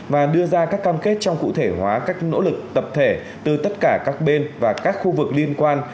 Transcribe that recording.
và đưa ra các cam kết trong cụ thể hóa các nỗ lực tập thể từ tất cả các bên và các khu vực liên quan